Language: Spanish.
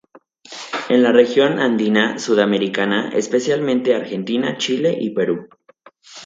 En la región andina sudamericana, especialmente Argentina, Chile y Perú.